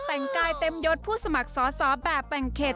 แต่งกายเต็มยดผู้สมัครสอสอแบบแบ่งเขต